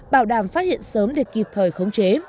bảo đảm phát hiện sớm để kịp thời khống chế